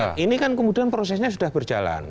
nah ini kan kemudian prosesnya sudah berjalan